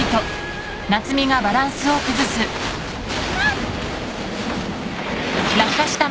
あっ！